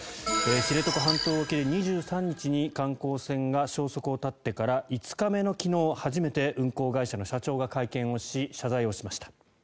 知床半島沖で２３日に観光船が消息を絶ってから５日目の昨日初めて運航会社の社長が会見をし謝罪をしました。